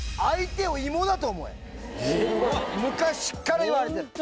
えっ⁉昔から言われてる。